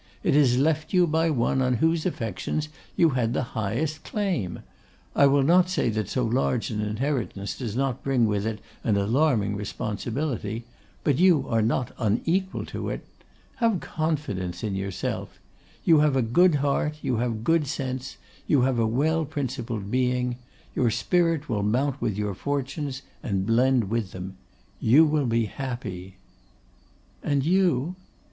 It is left you by one on whose affections you had the highest claim. I will not say that so large an inheritance does not bring with it an alarming responsibility; but you are not unequal to it. Have confidence in yourself. You have a good heart; you have good sense; you have a well principled being. Your spirit will mount with your fortunes, and blend with them. You will be happy.' 'And you?